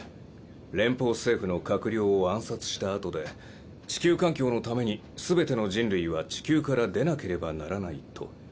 連邦政府の閣僚を暗殺したあとで地球環境のために全ての人類は地球から出なければならないと。